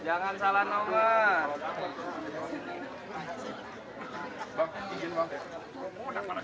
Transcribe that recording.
jangan salah nombor